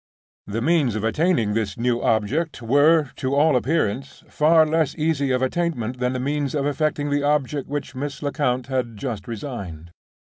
The means of effecting this new object were, to all appearance, far less easy of attainment than the means of effecting the object which Mrs. Lecount had just resigned.